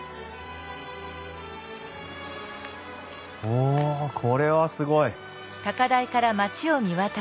おこれはすごい。